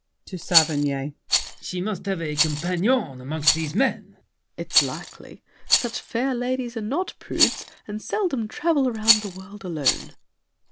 [To Saverny.] She must have a companion 'mongst these men. SAVERNY. It's likely. Such fair ladies are not prudes, And seldom travel round the world alone.